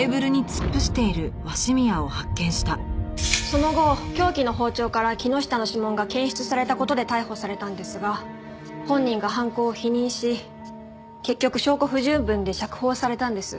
その後凶器の包丁から木下の指紋が検出された事で逮捕されたんですが本人が犯行を否認し結局証拠不十分で釈放されたんです。